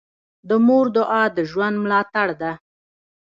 د مور دعا د ژوند ملاتړ ده.